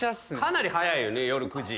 かなり早いよね夜９時。